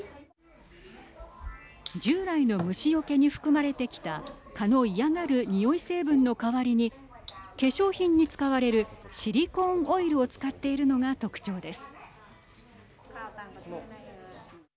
従来の虫よけに含まれてきた蚊の嫌がるにおい成分の代わりに化粧品に使われるシリコーンオイルを使っているのが特徴です。